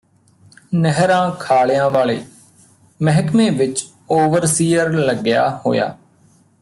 ਨਹਿਰਾਂ ਖਾਲਿਆਂ ਵਾਲੇ ਮਹਿਕਮੇ ਵਿਚ ਓਵਰਸੀਅਰ ਲੱਗਿਆ ਹੋਇਆ